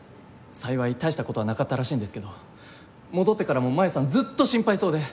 幸い大した事はなかったらしいんですけど戻ってからも真夢さんずっと心配そうで。